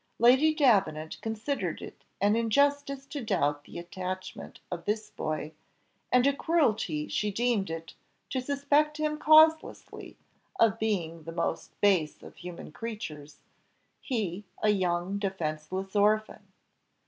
Lady Davenant considered it an injustice to doubt the attachment of this boy, and a cruelty she deemed it to suspect him causelessly of being the most base of human creatures he, a young defenceless orphan.